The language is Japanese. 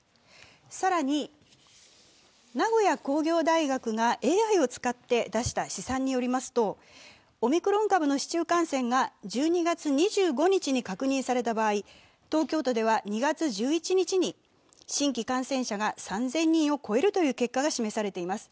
更に、名古屋工業大学がＡＩを使って出した試算によりますとオミクロン株の市中感染が１２月２５日に確認された場合、東京都では２月１１日に新規感染者が３０００人を超えるという結果が示されています。